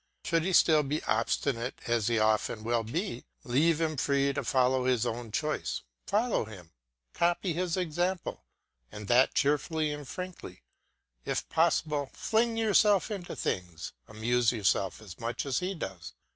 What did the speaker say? Should he still be obstinate as he often will be, leave him free to follow his own choice, follow him, copy his example, and that cheerfully and frankly; if possible fling yourself into things, amuse yourself as much as he does.